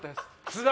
津田